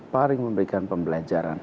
paling memberikan pembelajaran